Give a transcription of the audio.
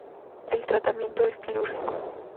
El tratamiento es quirúrgico.